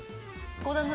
孝太郎さん